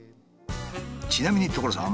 ちなみに所さん。